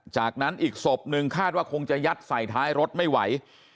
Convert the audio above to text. จากนั้นอีกศพนึงคาดว่าคงจะยัดใส่ท้ายรถไม่ไหว